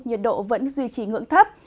nhiệt độ vẫn duy trì ngưỡng thấp